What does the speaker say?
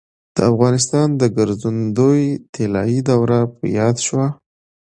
د افغانستان د ګرځندوی طلایي دوره په یاد شوه.